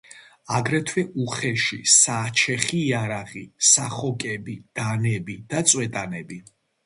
აგრეთვე უხეში საჩეხი იარაღი, სახოკები, დანები და წვეტანები.